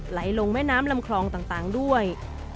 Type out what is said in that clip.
ไหลลงแม่น้ำลำคลองต่างด้วย